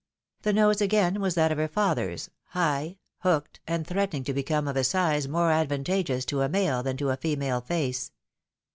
The nose again was that of her father's, high, hooked, and tln eatening to become of a size more advantageous to a male than to a female face.